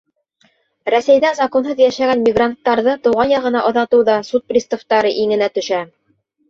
Рәсәйҙә законһыҙ йәшәгән мигранттарҙы тыуған яғына оҙатыу ҙа суд приставтары иңенә төшә.